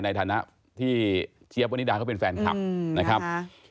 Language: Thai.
ในฐานะที่เจี๊ยบวนิดาเขาเป็นแฟนคลับนะครับ